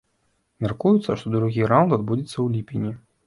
Мяркуецца, што другі раўнд адбудзецца ў ліпені.